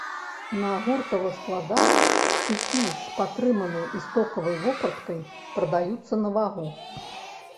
На гуртавых складах цюкі з патрыманай і стокавай вопраткай прадаюцца на вагу.